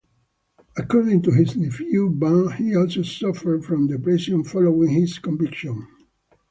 According to his nephew, Bam, he also suffered from depression following his conviction.